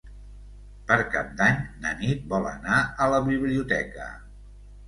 Per Cap d'Any na Nit vol anar a la biblioteca.